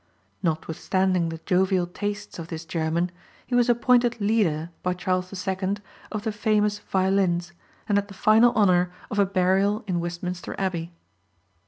Notwithstanding the jovial tastes of this German, he was appointed leader, by Charles II., of the famous violins, and had the final honor of a burial in Westminster Abbey.